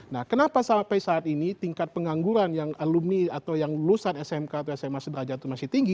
nah kenapa sampai saat ini tingkat pengangguran yang alumni atau yang lulusan smk atau sma sederajat itu masih tinggi